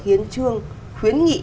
hiến trương khuyến nghị